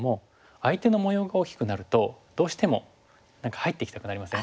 相手の模様が大きくなるとどうしても何か入っていきたくなりません？